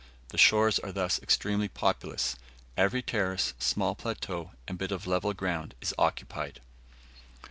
The shores are thus extremely populous; every terrace, small plateau, and bit of level ground is occupied.